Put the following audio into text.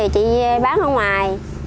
chị bán ở ngoài